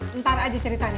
lentara aja ceritanya